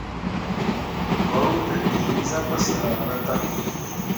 Goŋ tǝ dii zah pǝsǝr ahradaŋ.